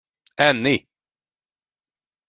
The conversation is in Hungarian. Enni!